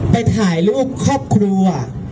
ไปถ่ายรูปครอบครัว